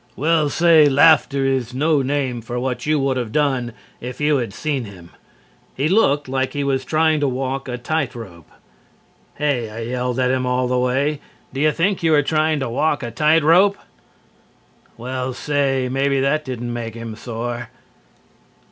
Well say laffter is no name for what you would of done if you had seen him. He looked like he was trying to walk a tide rope. Hey I yelled at him all the way, do you think you are trying to walk a tide rope? Well say maybe that didn't make him sore."